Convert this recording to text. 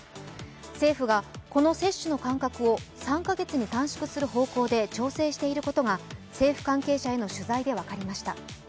政府がこの接種の間隔を３か月に短縮する方向で調整していることが政府関係者への取材で分かりました。